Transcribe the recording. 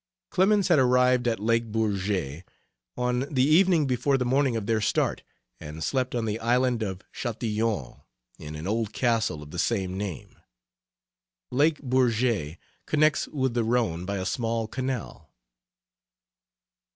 Clemens had arrived at Lake Bourget on the evening before the morning of their start and slept on the Island of Chatillon, in an old castle of the same name. Lake Bourget connects with the Rhone by a small canal.